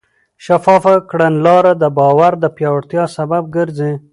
شفافه کړنلاره د باور د پیاوړتیا سبب ګرځي.